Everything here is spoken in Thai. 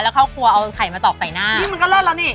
แล้วเข้าครัวเอาไข่มาตอกใส่หน้านี่มันก็เลิศแล้วนี่